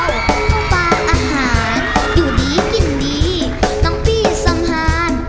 ข้อป่าอาหารอยู่ดีกินดีน้องพี่สำหาร